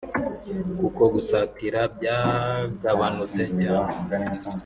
kuko gusatira byagabanutse cyane